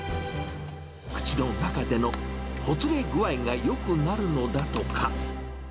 口の中でのほつれ具合がよくなるのだとか。